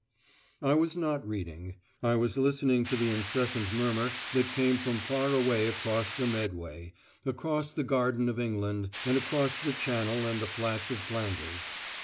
I was not reading: I was listening to the incessant murmur that came from far away across the Medway, across the garden of England, and across the Channel and the flats of Flanders.